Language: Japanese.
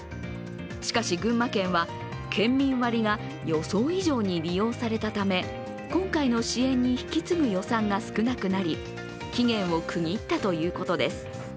しかし、群馬県は、県民割が予想以上に利用されたため、今回の支援に引き継ぐ予算が少なくなり、期限を区切ったということです。